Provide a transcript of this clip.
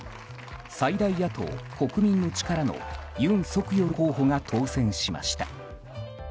最大野党・国民の力の尹錫悦候補が当選しました。